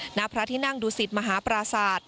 หน้าพระที่นั่งดูสิตมหาปราศาสตร์